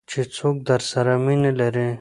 چې څوک درسره مینه لري .